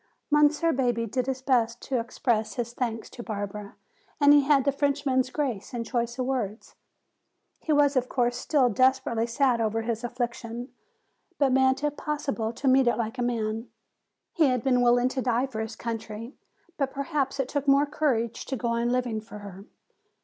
Monsieur Bebé did his best to express his thanks to Barbara and he had the Frenchman's grace and choice of words. He was of course still desperately sad over his affliction, but meant if possible to meet it like a man. He had been willing to die for his country, but perhaps it took more courage to go on living for her.